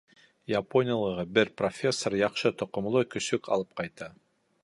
Япониялағы бер профессор яҡшы тоҡомло көсөк алып ҡайта.